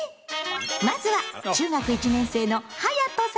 まずは中学１年生のはやとさんの声から。